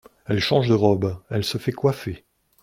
Elle change de robe, elle se fait coiffer.